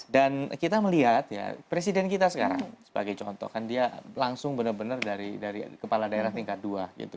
dan kita melihat ya presiden kita sekarang sebagai contoh kan dia langsung benar benar dari kepala daerah tingkat dua gitu